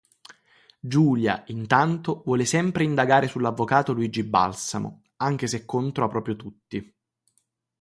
Giulia, intanto, vuole sempre indagare sull'avvocato Luigi Balsamo, anche se contro ha proprio tutti.